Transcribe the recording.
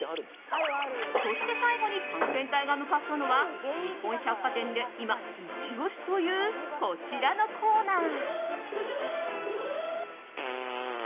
そして最後に探検隊が向かったのは日本百貨店で今イチ押しというこちらのコーナー。